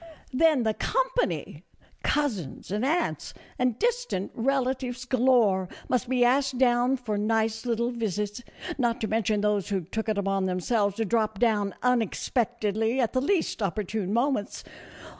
Then the company ! Cousins, and aunts, and distant relatives galore, must be asked down for nice little visits, not to mention those who took it upon themselves to drop down unexpectedly at the least opportune moments.